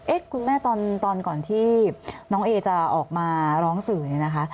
คุณแม่ตอนก่อนที่น้องเอจะออกมาร้องสื่อเนี่ยนะคะ